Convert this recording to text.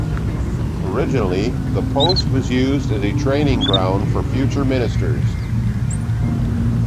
Originally, the post was used as a training ground for future ministers.